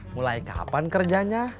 mulai kapan kerjanya